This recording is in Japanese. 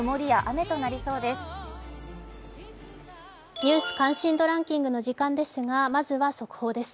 「ニュース関心度ランキング」の時間ですはまずはこちらです。